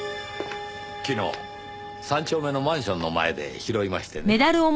昨日３丁目のマンションの前で拾いましてね。